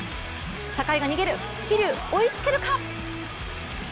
坂井が逃げる、桐生、追いつけるか。